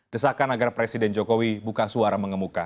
desakan agar presiden jokowi buka suara mengemuka